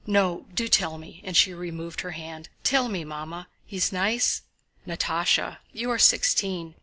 No, do tell me!" and she removed her hand. "Tell me, Mamma! He's nice?" "Natásha, you are sixteen.